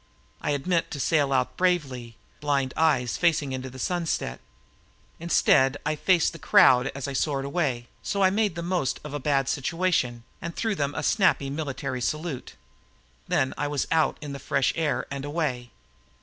I had meant to sail out bravely, blind eyes facing into the sunset; instead, I faced the crowd as I soared away, so I made the most of a bad situation and threw them a snappy military salute. Then I was out in the fresh air and away.